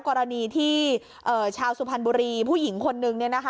กรณีที่ชาวสุพรรณบุรีผู้หญิงคนนึง